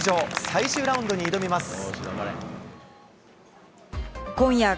最終ラウンドに挑みます。